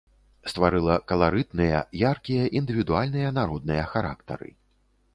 Стварыла каларытныя, яркія індывідуальныя народныя характары.